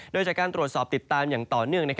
โดยจากการตรวจสอบติดตามอย่างต่อเนื่อง